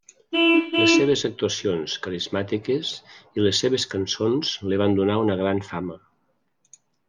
Les seves actuacions carismàtiques i les seves cançons li van donar una gran fama.